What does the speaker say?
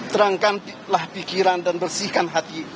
terangkanlah pikiran dan bersihkan hati